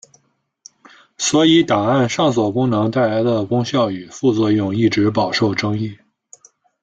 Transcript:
所以档案上锁功能带来的功效与副作用一直饱受争议。